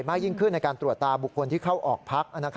มากยิ่งขึ้นในการตรวจตาบุคคลที่เข้าออกพัก